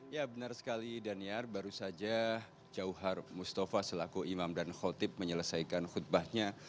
ya benar sekali daniar baru saja jauhar mustafa selaku imam dan khotib menyelesaikan khutbahnya